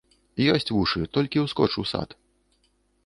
Ёсць вушы, толькі ўскоч у сад.